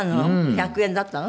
１００円だったの？